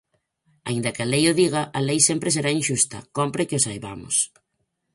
Aínda que a lei o diga, a lei sempre será inxusta, cómpre que o saibamos.